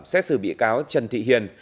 xét xử bị cáo trần thị hiền